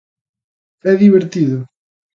É divertido.